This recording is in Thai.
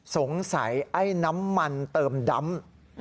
ไอ้น้ำมันเติมดำ